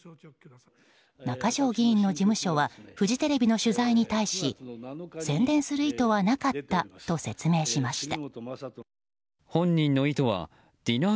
中条議員の事務所はフジテレビの取材に対し宣伝する意図はなかったと説明しました。